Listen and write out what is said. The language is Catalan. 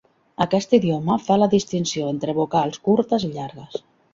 Aquest idioma fa la distinció entre vocals curtes i llargues.